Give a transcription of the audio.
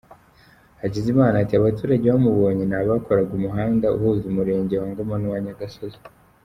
Hakizimana ati “Abaturage bamubonye ni abakoraga umuhanda uhuza Umurenge wa Ngoma n’uwa Nyagisozi.